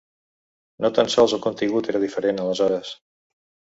No tan sols el contingut era diferent, aleshores.